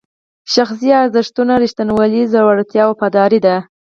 شخصي ارزښتونه ریښتینولي، زړورتیا او وفاداري دي.